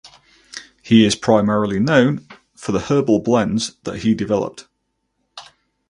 He is primarily known for the herbal blends that he developed.